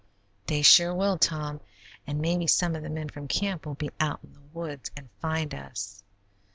"They sure will, Tom, and maybe some of the men from camp will be out in the woods and find us.